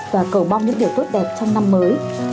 và cầu mong những điều tốt đẹp trong năm mới